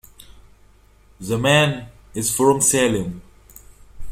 The Man is from Salem.